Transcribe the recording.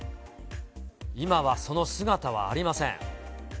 今はその姿はありません。